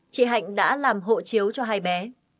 chị hạnh đã làm hộ chiếu cho hai bé